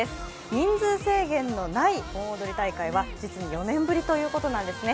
人数制限のない盆踊り大会は４年ぶりということなんですね。